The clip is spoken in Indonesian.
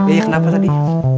iya kenapa tadi